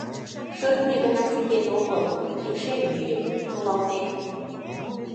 Шӧртньӧ гына ситен огыл, эше мӱйым солалтен.